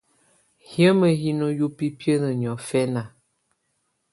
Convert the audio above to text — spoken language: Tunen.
Hiǝ́mi hino hi ubibiǝ́nǝ niɔ̀fɛ̀na.